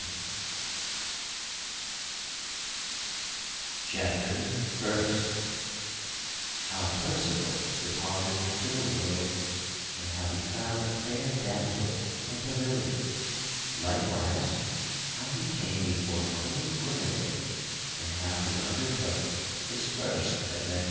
[Illustration: The Lady Yvette the Fair] Chapter First _How Percival departed into the world and how he found a fair damsel in a pavilion; likewise how he came before Queen Guinevere and how he undertook his first adventure_.